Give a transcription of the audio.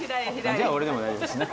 じゃあ俺でも大丈夫ですね。